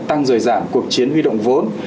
tăng rời giảm cuộc chiến huy động vốn